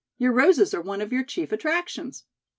"Your roses are one of your chief attractions."